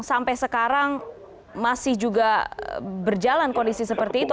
sampai sekarang masih juga berjalan kondisi seperti itu